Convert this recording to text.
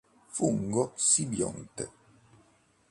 Fungo simbionte.